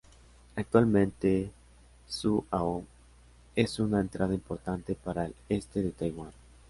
Actualmente Su-ao es una entrada importante para el este de Taiwán.